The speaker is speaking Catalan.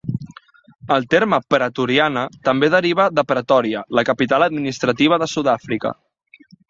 El terme "pretoriana" també deriva de Pretòria, la capital administrativa de Sudàfrica.